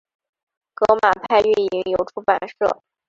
革马派运营有出版社。